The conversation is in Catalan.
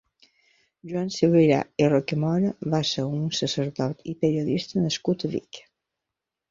Joan Subirà i Rocamora va ser un sacerdot i periodista nascut a Vic.